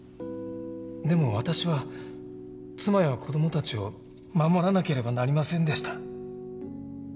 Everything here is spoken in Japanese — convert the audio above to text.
でも私は妻や子どもたちを守らなければなりませんでした。